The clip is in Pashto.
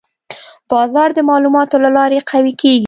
بازار د معلوماتو له لارې قوي کېږي.